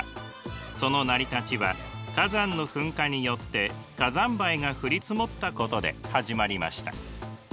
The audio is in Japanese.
その成り立ちは火山の噴火によって火山灰が降り積もったことで始まりました。